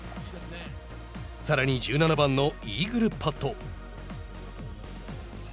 さらに１７番のイーグルパット。